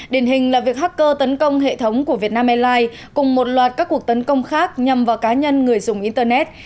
điển hình là việc hacker tấn công hệ thống của vietnam airlines cùng một loạt các cuộc tấn công khác nhằm vào cá nhân người dùng internet